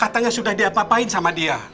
katanya sudah diapa apain sama dia